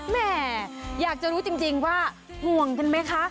แม่อยากจะรู้จริงว่าห่วงกันไหมคะ